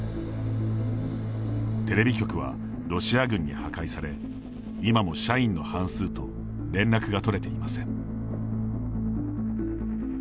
テレビ局はロシア軍に破壊され今も社員の半数と連絡が取れていません。